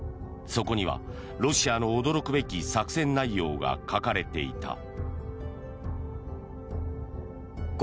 そこにはロシアの驚くべき作戦内容が書かれていた。